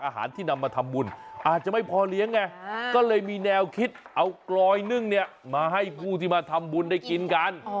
ที่นำมาทำบุญอาจจะไม่พอเลี้ยงไงก็เลยมีแนวคิดเอากลอยนึ่งเนี่ยมาให้ผู้ที่มาทำบุญได้กินกัน